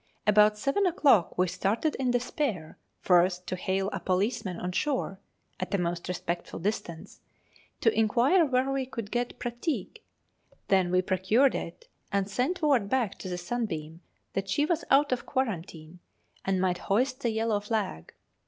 About seven o'clock we started in despair, first to hail a policeman on shore (at a most respectful distance), to inquire where we could get pratique; then we procured it, and sent word back to the 'Sunbeam' that she was out of quarantine, and might hoist the yellow flag.